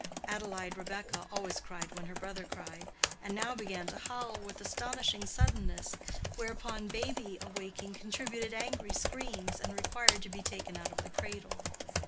Adelaide Rebekah always cried when her brother cried, and now began to howl with astonishing suddenness, whereupon baby awaking contributed angry screams, and required to be taken out of the cradle.